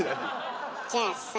じゃあさ